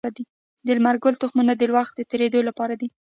د لمر ګل تخمونه د وخت تیري لپاره دي.